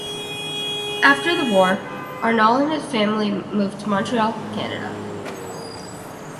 After the war, Arnall and his family moved to Montreal, Canada.